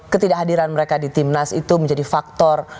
ketidakhadiran mereka di timnas itu menjadi faktor